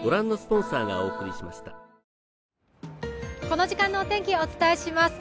この時間のお天気をお伝えします。